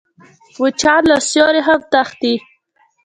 مچان له سیوري هم تښتي